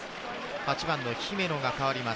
８番の姫野が代わります。